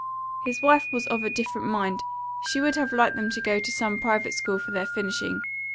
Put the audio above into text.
His wife was of a different mind; she would have liked them to go to some private school for their finishing.